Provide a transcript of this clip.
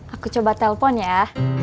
aku coba telepon ya